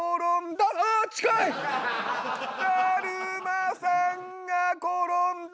だるまさんが転んだ！